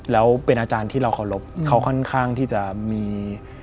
แล้วเป็นอาจารย์ที่เราเคารพเขาค่อนข้างที่จะมี